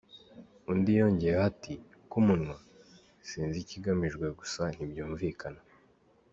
" Undi yongeyeho ati "Ku munwa? Sinzi ikigamijwe gusa ntibyumvikana.